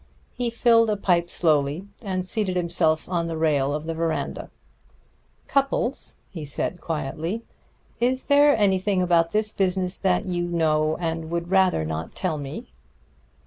He filled a pipe slowly, and seated himself on the rail of the veranda. "Cupples," he said quietly, "is there anything about this business that you know and would rather not tell me?"